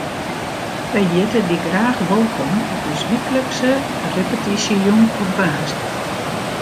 Wy hjitte dy graach wolkom op ús wyklikse repetysjejûn op woansdei.